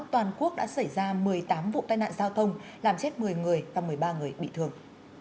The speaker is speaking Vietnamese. toàn quốc đã xảy ra một mươi tám vụ tai nạn giao thông làm chết một mươi người và một mươi ba người bị thương